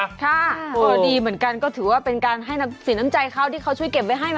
ก็ดีเหมือนกันก็ถือว่าเป็นการให้น้ำสีน้ำใจเขาที่เขาช่วยเก็บไว้ให้มา